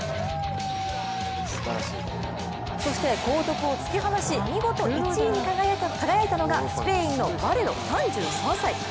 そして、後続を突き放し見事、１位に輝いたのがスペインのバレロ、３３歳。